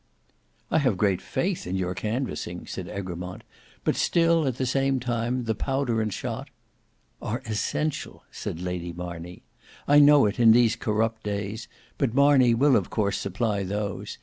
"I have great faith in your canvassing," said Egremont; "but still, at the same time, the powder and shot—" "Are essential," said Lady Marney, "I know it, in these corrupt days: but Marney will of course supply those.